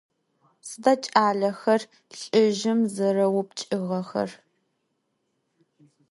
Sıda ç'alexer lh'ızjım zerêupçç'ığexer?